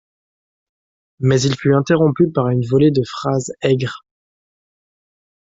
Mais il fut interrompu par une volée de phrases aigres.